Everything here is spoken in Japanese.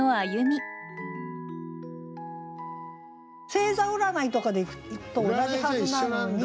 星座占いとかでいくと同じはずなのに。